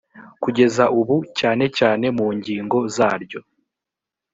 kugeza ubu cyane cyane mu ngingo zaryo